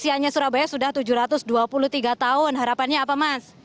pembangunan kota surabaya nih ini usianya surabaya sudah tujuh ratus dua puluh tiga tahun harapannya apa mas